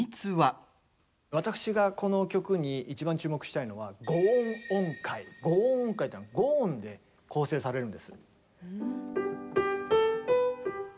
私がこの曲に一番注目したいのは「五音音階」っていうのは五音で構成されるんです。